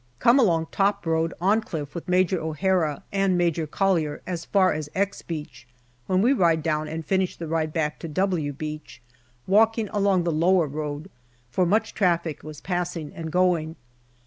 Come along top road on cliff with Major O'Hara and Major Collier as far as " X " Beach, when we ride down and finish the ride back to " W " Beach walking along the lower road, far much traffic was passing and going.